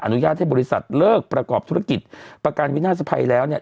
อนุญาตให้บริษัทเลิกประกอบธุรกิจประกันวินาศภัยแล้วเนี่ย